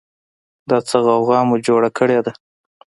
دا څه غوغا مو جوړه ده